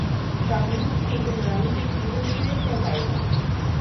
قانون کی حکمرانی تقریبا سر ے سے غائب ہے۔